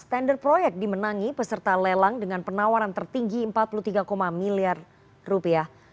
tender proyek dimenangi peserta lelang dengan penawaran tertinggi empat puluh tiga miliar rupiah